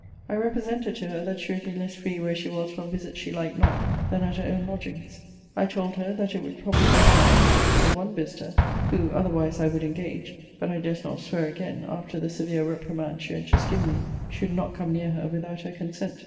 I represented to her that she would be less free where she was from visits she liked not, than at her own lodgings. I told her, that it would probably bring her, in particular, one visiter, who, otherwise I would engage, [but I durst not swear again, after the severe reprimand she had just given me,] should not come near her, without her consent.